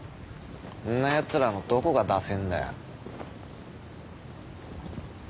んなやつらのどこがダセえんだよ。